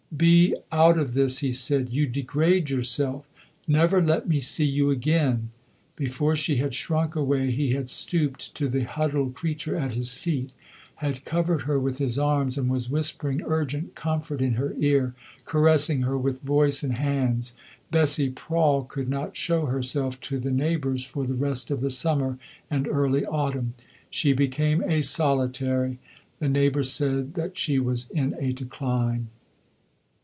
"Be out of this," he said; "you degrade yourself. Never let me see you again." Before she had shrunk away he had stooped to the huddled creature at his feet, had covered her with his arms and was whispering urgent comfort in her ear, caressing her with voice and hands. Bessie Prawle could not show herself to the neighbours for the rest of the summer and early autumn. She became a solitary; the neighbours said that she was in a decline.